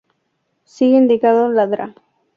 Sigue indicando la Dra.